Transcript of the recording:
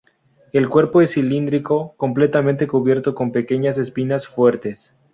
El cuerpo es cilíndrico, completamente cubierto con pequeñas espinas fuertes.